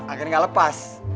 agar gak lepas